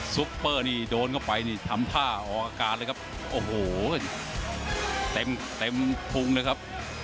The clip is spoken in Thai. ซุปเปอร์นี่โดนเข้าไปนี่ทำท่าออกอาการเลยครับโอ้โหเต็มเต็มพุงเลยครับ